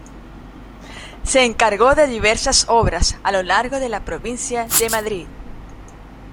Se encargó de diversas obras a lo largo de la provincia de Madrid.